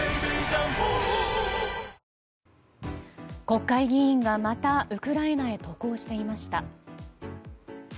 国会議員がまたウクライナに渡航していました。